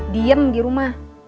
diem pergi rumah